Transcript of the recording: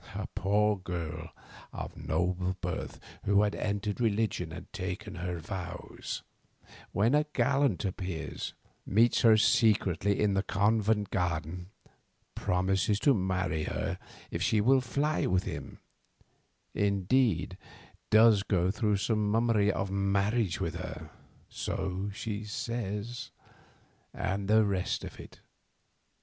A poor girl of noble birth who had entered religion and taken her vows, when a gallant appears, meets her secretly in the convent garden, promises to marry her if she will fly with him, indeed does go through some mummery of marriage with her—so she says—and the rest of it.